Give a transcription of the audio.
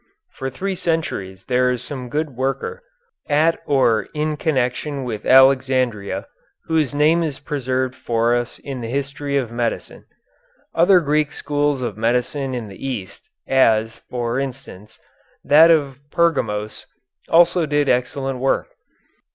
For three centuries there is some good worker, at or in connection with Alexandria, whose name is preserved for us in the history of medicine. Other Greek schools of medicine in the East, as, for instance, that of Pergamos, also did excellent work.